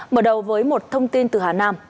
mở đầu với một thông tin từ hà nam